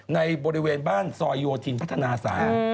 ในบริเวณบ้านซอยโยธินพัฒนา๓